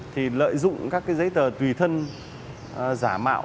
thì lợi dụng các giấy tờ tùy thân giả mạo